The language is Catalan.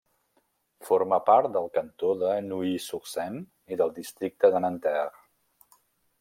Forma part del cantó de Neuilly-sur-Seine i del districte de Nanterre.